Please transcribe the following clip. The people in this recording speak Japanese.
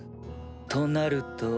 となると。